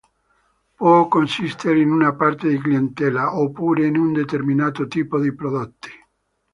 Può consistere in una parte di clientela, oppure in un determinato tipo di prodotti.